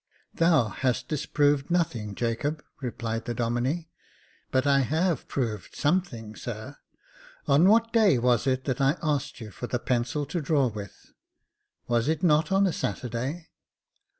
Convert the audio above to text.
"Thou hast disproved nothing, Jacob," replied the Domine. " But I have proved something, sir. On v/hat day was it that I asked you for the pencil to draw with ? "Was it not on a Saturday